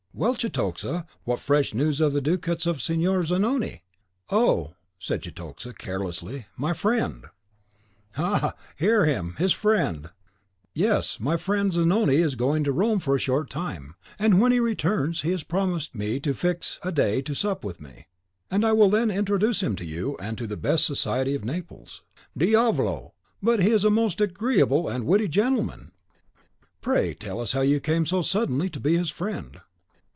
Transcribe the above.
Well, Cetoxa, what fresh news of the ducats of Signor Zanoni?" "Oh," said Cetoxa, carelessly, "my friend " "Ha! ha! hear him; his friend " "Yes; my friend Zanoni is going to Rome for a short time; when he returns, he has promised me to fix a day to sup with me, and I will then introduce him to you, and to the best society of Naples! Diavolo! but he is a most agreeable and witty gentleman!" "Pray tell us how you came so suddenly to be his friend."